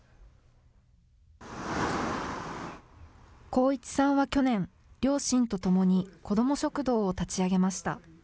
航一さんは去年、両親とともに子ども食堂を立ち上げました。